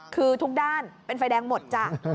คือทุกด้านเป็นไฟแดงหมดจ้ะ